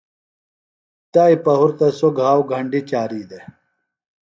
تائی پہُرتہ سوۡ گھاؤ گھنڈیۡ چاری دےۡ۔